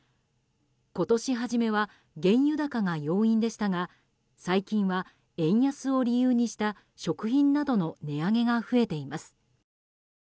今年初めは原油高が要因でしたが最近は円安を理由にした食品などの値上げが増えています。